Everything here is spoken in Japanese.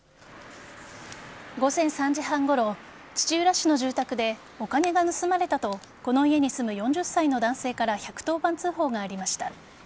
午前３時半ごろ土浦市の住宅でお金が盗まれたとこの家に住む４０歳の男性から１１０番通報がありました。